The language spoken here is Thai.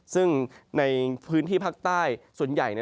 ซึ่งในพื้นที่ภาคใต้ส่วนใหญ่